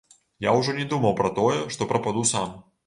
Я ўжо не думаю пра тое, што прападу сам.